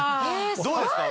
どうですか？